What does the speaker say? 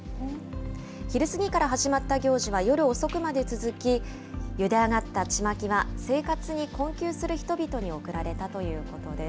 昼過ぎから始まった行事は夜遅くまで続き、ゆで上がったちまきは生活に困窮する人々に贈られたということです。